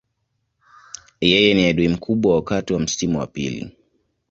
Yeye ni adui mkubwa wakati wa msimu wa pili.